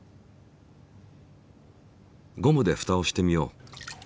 ゴムでふたをしてみよう。